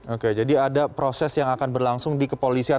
oke jadi ada proses yang akan berlangsung di kepolisian